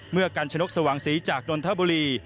เมื่อกันชนกสว่างสีจากนทบุรี